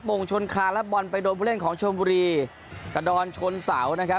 งงชนคาและบอลไปโดนผู้เล่นของชนบุรีกระดอนชนเสานะครับ